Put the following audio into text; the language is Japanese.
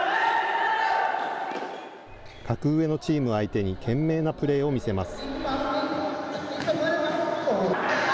格上のチーム相手に、懸命なプレーを見せます。